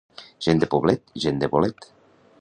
Gent de Poblet, gent de bolet.